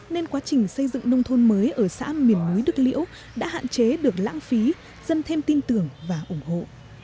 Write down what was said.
nên quá trình xây dựng nông thôn mới ở xã miền núi đức liễu đã hạn chế được lãng phí dân thêm tin tưởng và ủng hộ